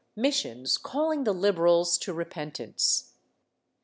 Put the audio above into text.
Missions calling the Liberals to re pentance.